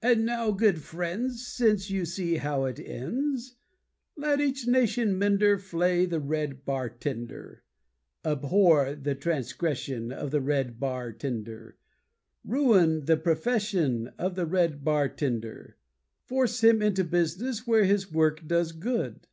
And now, good friends, since you see how it ends, Let each nation mender flay the red bar tender, Abhor The transgression Of the red bar tender, Ruin The profession Of the red bar tender: Force him into business where his work does good.